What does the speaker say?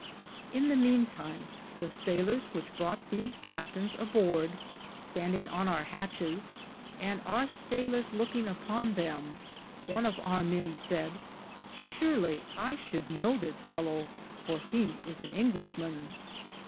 In the meane time the sayleres which broughte these captaynes a borde, standinge on our hatchis, and our saylers Loukinge upon them, one of our men sa)^de, surly I should know this fellow, for he is an Inglishman.